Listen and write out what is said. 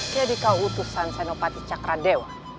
jadi kau utusan senopati cakra dewa